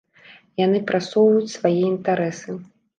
Яны прасоўваюць свае інтарэсы.